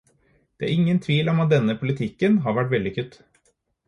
Det er ingen tvil om at denne politikken har vært vellykket.